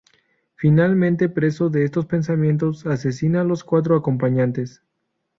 Finalmente preso de estos pensamientos asesina a los cuatro acompañantes.